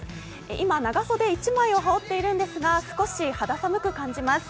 今、長袖１枚を羽織っているんですが、少し肌寒く感じます。